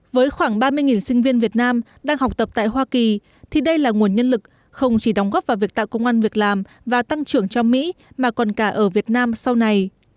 với khoảng ba mươi sinh viên việt nam đang học tập tại hoa kỳ thì đây là nguồn nhân lực không chỉ đóng góp vào việc tạo công an việc làm và tăng trưởng cho mỹ mà còn cả ở việt nam sau này